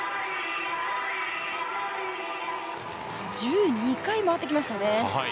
１２回、回ってきましたね。